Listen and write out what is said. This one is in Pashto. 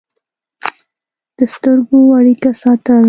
د سترګو اړیکه ساتل